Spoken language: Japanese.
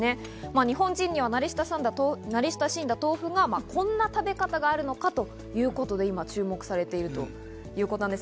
日本人には慣れ親しんだ豆腐がこんな食べ方があるのかということで、今注目されているということなんです。